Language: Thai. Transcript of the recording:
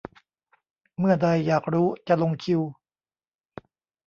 เมื่อใด อยากรู้ จะลงคิว